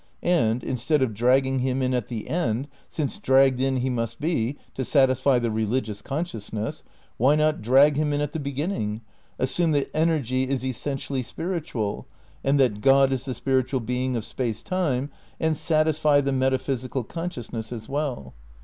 And, instead of dragging him in at the end, since dragged in he must be, '' to satisfy the religious consciousness," why not drag him in at the beginning, assume that energy is essentially spiritual and that God is the spiritual being of Space Time, and satisfy the metaphysical consciousness as well?